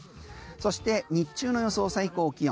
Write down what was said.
そして日中の予想最高気温。